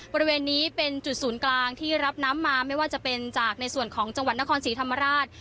บริเวณนี้เป็นจุดศูนย์กลางที่รับน้ำมาไม่ว่าจะเป็นจากในส่วนของจังหวัดนครศรีธรรมราช